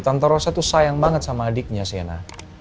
tante rosa tuh sayang banget sama adiknya sienna